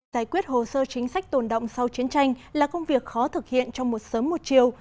giải quyết hồ sơ chính sách tồn động sau chiến tranh là công việc khó thực hiện trong một sớm một chiều